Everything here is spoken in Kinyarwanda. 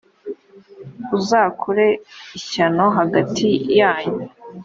uzakure ishyano hagati yanyu.